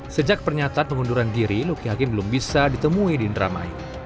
sejak pernyataan pengunduran diri luki hakim belum bisa ditemui di indramayu